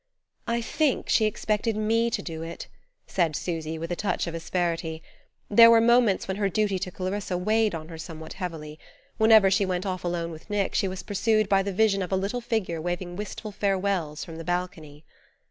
"I think she expected me to do it," said Susy with a touch of asperity. There were moments when her duty to Clarissa weighed on her somewhat heavily; whenever she went off alone with Nick she was pursued by the vision of a little figure waving wistful farewells from the balcony.